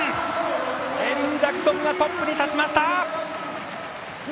エリン・ジャクソンがトップに立ちました。